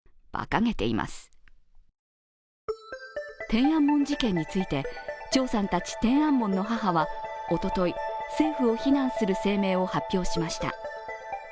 天安門事件について張さんたち天安門の母は、おととい、政府を非難する声明を発表しました。